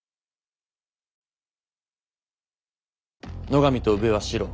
野上と宇部はシロ。